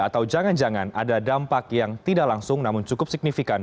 atau jangan jangan ada dampak yang tidak langsung namun cukup signifikan